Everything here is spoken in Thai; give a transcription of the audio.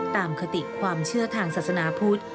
คติความเชื่อทางศาสนาพุทธ